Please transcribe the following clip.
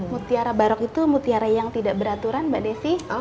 mutiara barok itu mutiara yang tidak beraturan mbak desi